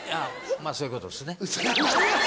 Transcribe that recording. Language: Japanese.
まぁそういうことですね。